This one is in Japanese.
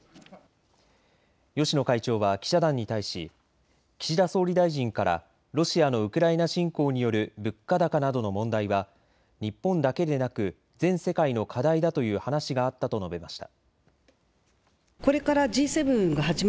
芳野会長は記者団に対し岸田総理大臣からロシアのウクライナ侵攻による物価高などの問題は日本だけでなく全世界の課題だという話があったと述べました。